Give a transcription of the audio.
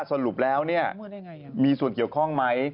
สรุปแล้วมีส่วนเกี่ยวข้องไหม